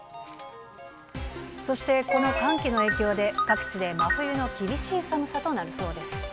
そして、この寒気の影響で、各地で真冬の厳しい寒さとなりそうです。